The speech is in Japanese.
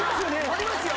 ありますよ